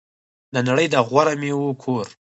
د نړۍ د غوره میوو کور.